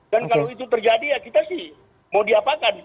dan kalau itu terjadi ya kita sih mau diapakan